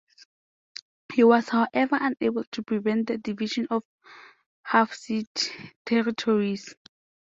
He was however unable to prevent the division of Hafsid territories.